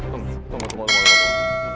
tunggu tunggu tunggu tunggu